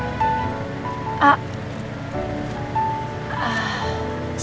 saya mau mengantar ibu pulang